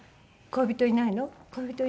「恋人いないの？」。